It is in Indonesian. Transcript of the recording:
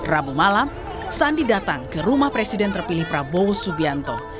rabu malam sandi datang ke rumah presiden terpilih prabowo subianto